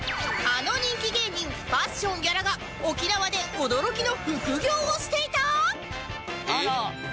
あの人気芸人パッション屋良が沖縄で驚きの副業をしていた！？